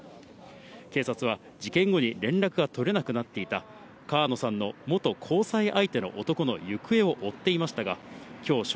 警察は、事件後に連絡が取れなくなっていた川野さんの元交際相手の男の行方を追っていましたが、きょう正